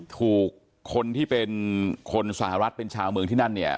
ถูกคนที่เป็นคนสหรัฐเป็นชาวเมืองที่นั่นเนี่ย